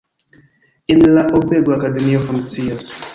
En la urbego akademio funkcias.